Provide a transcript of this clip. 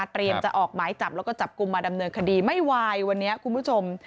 จะออกหมายจับแล้วก็จับกลุ่มมาดำเนินคดีไม่ไหววันนี้คุณผู้ชม